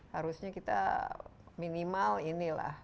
harusnya kita minimal inilah